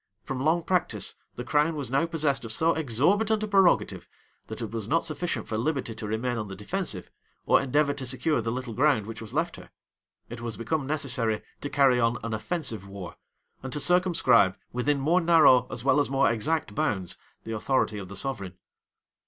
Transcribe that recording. From long practice, the crown was now possessed of so exorbitant a prerogative, that it was not sufficient for liberty to remain on the defensive, or endeavor to secure the little ground which was left her: it was become necessary to carry on an offensive war, and to circumscribe, within more narrow, as well as more exact bounds; the authority of the sovereign.